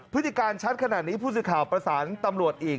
พฤติการชัดขนาดนี้ผู้สื่อข่าวประสานตำรวจอีก